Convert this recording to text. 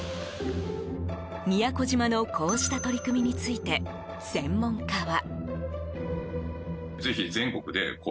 宮古島のこうした取り組みについて専門家は。